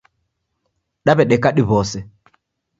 Daw'edeka diw'ose.